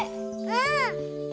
うん！